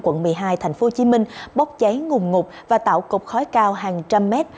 quận một mươi hai tp hcm bốc cháy ngùm ngục và tạo cục khói cao hàng trăm mét